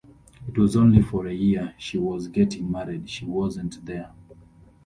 It was only for a year, she was getting married, she wasn't there.